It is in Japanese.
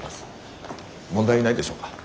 問題ないでしょうか？